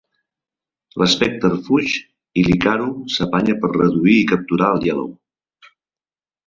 L'Specter fuig i l'Hikaru s'apanya per reduir i capturar el Yellow.